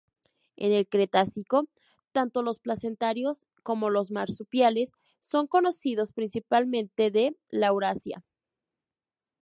En el Cretácico, tanto los placentarios como los marsupiales son conocidos principalmente de Laurasia.